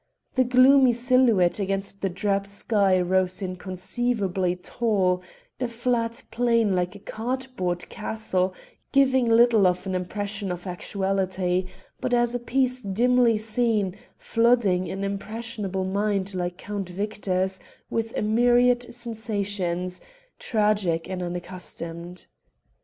The gloomy silhouette against the drab sky rose inconceivably tall, a flat plane like a cardboard castle giving little of an impression of actuality, but as a picture dimly seen, flooding an impressionable mind like Count Victor's with a myriad sensations, tragic and unaccustomed.